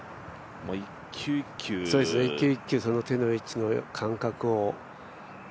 １球１球、手の位置の感覚を。